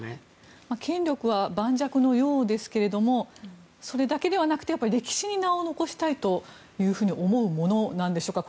権力は盤石のようですけどそれだけではなくてやっぱり歴史に名を残したいというふうに思うものなんでしょうか。